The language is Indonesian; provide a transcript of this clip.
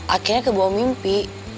akhirnya kebawa mimpi